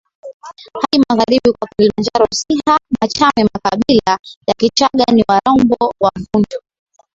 hadi magharibi kwa Kilimanjaro Siha MachameMakabila ya Kichagga ni WaRombo WaVunjo